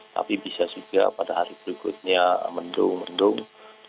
tapi bisa juga pada hari berikutnya mendung mendung